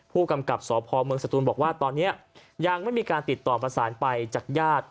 ผู้กำกับสพเมืองสตูนบอกว่าตอนนี้ยังไม่มีการติดต่อประสานไปจากญาติ